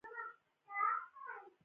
له دې پېښې وروسته څو مياشتې تېرې شوې.